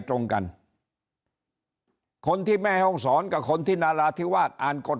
ตรงกันคนที่แม่ห้องศรกับคนที่นาราธิวาสอ่านกฎ